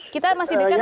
kita masih dekat